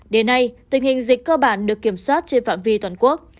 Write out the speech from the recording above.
đến nay tình hình dịch cơ bản được kiểm soát trên phạm vi toàn quốc